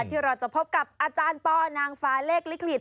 ที่เราจะพบกับอาจารย์ปอนางฟ้าเลขลิขิต